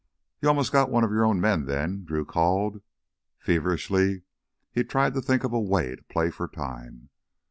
"You almost got one of your own men then!" Drew called. Feverishly he tried to think of a way to play for time.